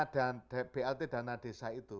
dan blt dana desa itu